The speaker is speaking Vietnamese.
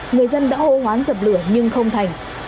người dân đã hô hoán dập lửa nhưng không thành